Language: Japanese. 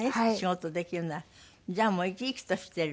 じゃあもう生き生きとしてる？